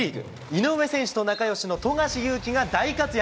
井上選手と仲よしの富樫勇樹が大活躍。